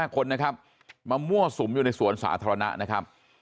๕คนนะครับมามั่วสุมอยู่ในสวนสาธารณะนะครับ